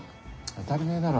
当たり前だろ。